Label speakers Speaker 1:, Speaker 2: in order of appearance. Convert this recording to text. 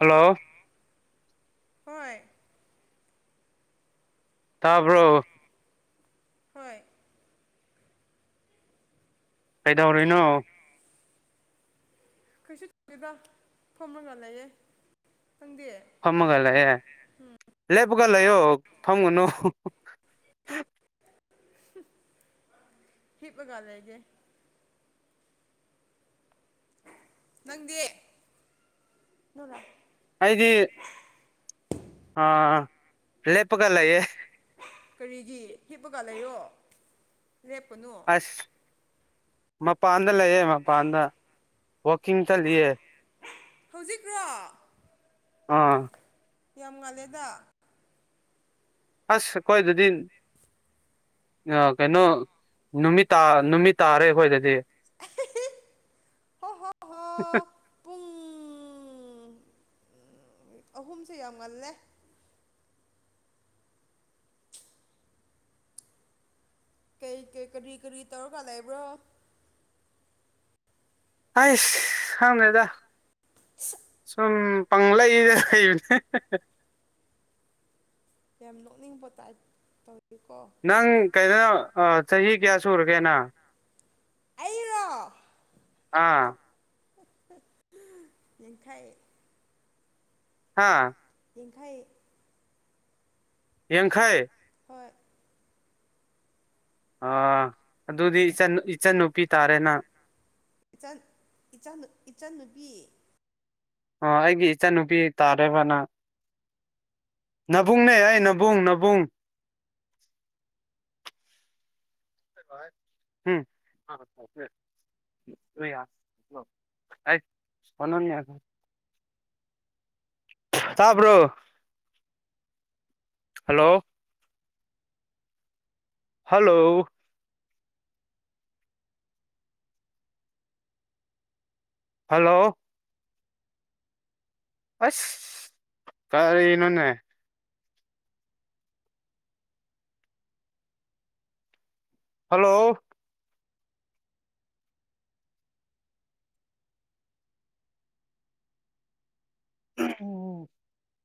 Speaker 1: hello
Speaker 2: ꯍꯣꯏ
Speaker 1: ꯇꯥꯞ꯭ꯔꯣ
Speaker 2: ꯍꯣꯏ
Speaker 1: ꯀꯩꯗꯧꯔꯤꯅꯣ
Speaker 2: ꯀꯩꯁꯨ ꯇꯧꯕ ꯐꯣꯝꯃꯒ ꯂꯩꯌꯦ ꯅꯪꯗꯤ
Speaker 1: ꯐꯃꯒꯂ ꯑꯦ ꯂ ꯀ ꯂꯩꯌꯣ ꯐꯪꯉꯨꯅꯨ
Speaker 2: ꯍꯤ ꯄꯒ ꯂꯦꯒꯦ ꯅꯪꯗꯤ ꯅꯂ
Speaker 1: ꯑꯩꯗꯤ ꯑ ꯂꯦꯄꯒꯂꯌꯦ
Speaker 2: ꯀꯔꯤꯒꯤ ꯍꯤꯞꯄꯒ ꯂꯩꯔꯣ ꯂꯦꯞꯄꯅꯣ
Speaker 1: ꯑꯁ ꯃꯄꯥꯟꯗ ꯂꯩꯌꯦ ꯃꯄꯥꯟꯗ ꯋꯥꯛꯀꯤꯡ ꯆꯠꯂꯤꯌꯦ
Speaker 2: ꯍꯧꯖꯤꯛꯔꯣ
Speaker 1: ꯑꯥ
Speaker 2: ꯌꯥꯝ ꯉꯥꯜꯂꯦꯗ
Speaker 1: ꯑꯁ ꯑꯈꯣꯢꯗꯗꯤ ꯀꯩꯅꯣ ꯅꯨꯠꯃꯤꯠꯇ ꯅꯨꯃꯤꯠ ꯇꯥꯔꯦ ꯑꯩꯈꯣꯏꯗꯗꯤ
Speaker 2: ꯍꯣ ꯍꯣ ꯍꯣ
Speaker 1: [unintelligible]
Speaker 2: ꯄꯨꯡ ꯑꯍꯨꯝꯁꯦ ꯌꯥꯝ ꯉꯜꯂꯦ ꯀꯩ ꯀꯩ ꯀꯔꯤ ꯀꯔꯤ ꯇꯧꯔꯒ ꯂꯩꯕꯔꯣ
Speaker 1: ꯍꯥꯏꯁ ꯈꯪꯗꯦꯗꯥ ꯁꯨꯝ ꯄꯪꯂꯩꯗ ꯂꯩꯕꯅꯦ
Speaker 2: ꯌꯥꯝ ꯅꯣꯛꯅꯤꯡꯕ ꯀ
Speaker 1: ꯅꯪ ꯀꯩꯗꯅꯣ ꯆꯍꯤ ꯀꯌꯥ ꯁꯨꯔꯒꯦ ꯅꯪ
Speaker 2: ꯑꯩꯔꯣ
Speaker 1: ꯑꯥ
Speaker 2: ꯅꯡꯈꯩ
Speaker 1: ꯍꯥꯥ
Speaker 2: ꯌꯡꯈꯩ
Speaker 1: ꯌꯥꯡꯈꯩ
Speaker 2: ꯍꯣꯏ
Speaker 1: ꯑ ꯑꯗꯨꯗꯤ ꯏꯆ ꯏꯆꯟꯟꯅꯨꯄꯤ ꯇꯥꯔꯦꯅ
Speaker 2: ꯏꯆꯟ ꯏꯆ ꯏꯆꯟꯅꯨꯄꯤ
Speaker 1: ꯑ ꯑꯩꯒꯤ ꯏꯆꯥꯟꯅꯨꯄꯤ ꯇꯥꯔꯦꯔꯕꯅ ꯅꯅꯥꯕꯨꯡꯅꯦ ꯑꯩꯅꯥꯕꯕ [unintelligible] ꯍꯨꯝ ꯌꯥ ꯐꯅ ꯌꯥ ꯇꯥꯕ꯭ꯔꯣ ꯍꯜꯂꯣ ꯍꯜꯂꯣ ꯍꯜꯂꯣ ꯑꯁ ꯇꯔ ꯏ ꯅꯣꯅꯦ ꯍꯜꯂꯣ ꯎꯝ